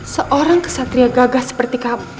seorang kesatria gagah seperti kamu